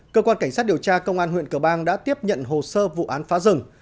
cơ quan cảnh sát điều tra công an huyện cờ bang đã tiếp nhận hồ sơ vụ án phá rừng